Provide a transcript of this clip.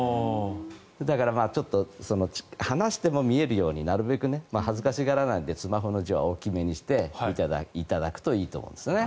だからちょっと離しても見えるようになるべく、恥ずかしがらないでスマホの文字は大きめにして見ていただくといいと思いますね。